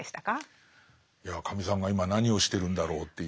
いやカミさんが今何をしてるんだろうっていう。